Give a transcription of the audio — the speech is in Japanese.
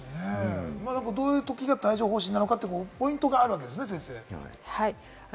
どういうときが帯状疱疹になるのかポイントがあるわけですよね先生。